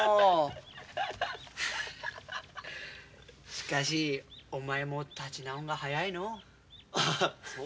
しかしお前も立ち直んが早いのう。